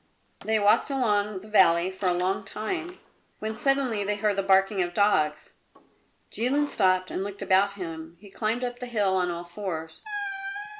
They walked along the valley for a long time, when suddenly they heard the barking of dogs. Jilin stopped and looked about him. He climbed up the hill on all fours.